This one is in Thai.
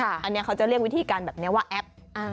อันนี้เขาจะเรียกวิธีการแบบนี้ว่าแอป